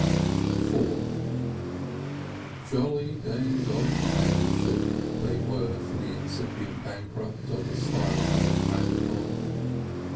IV Jolly days of companionship they were for the incipient bankrupt on the stile to look back upon.